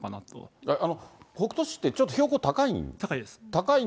北杜市ってちょっと標高高い高いです。